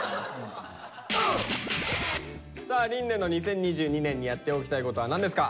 さあ琳寧の「２０２２年にやっておきたいこと」は何ですか？